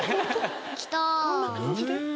こんな感じで？